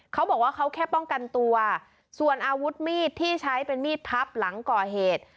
เขาบอกว่าเขาแค่ป้องกันตัวส่วนอาวุธมีดที่ใช้เป็นมีดพับหลังก่อเหตุ